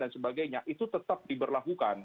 dan sebagainya itu tetap diberlakukan